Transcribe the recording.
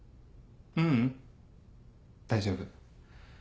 ううん大丈夫。